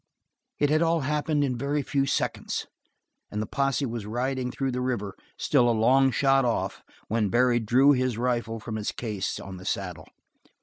It had all happened in very few seconds, and the posse was riding through the river, still a long shot off, when Barry drew his rifle from its case on the saddle.